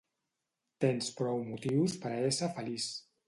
Tens prou motius per a ésser feliç.